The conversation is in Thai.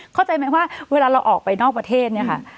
เข้าใจไหมว่าเวลาเราออกไปนอกประเทศ